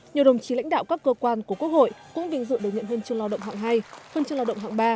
nhiều đồng chí lãnh đạo các cơ quan của quốc hội cũng vinh dự được nhận huân chương lao động hạng hai huân chương lao động hạng ba